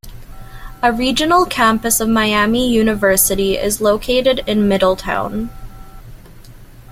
A regional campus of Miami University is located in Middletown.